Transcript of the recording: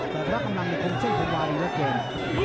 พาระกำลังในเท่าสิ้นของวาลีแล้วเกณฑ์